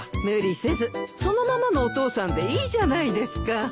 無理せずそのままのお父さんでいいじゃないですか。